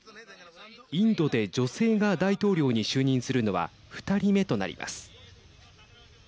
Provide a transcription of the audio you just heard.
インドで女性が大統領に就任するのは２人目となります。